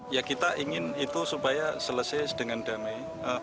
ya kita ingin itu supaya selesai dengan damai